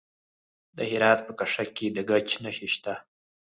د هرات په کشک کې د ګچ نښې شته.